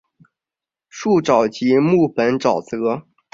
树沼即木本沼泽。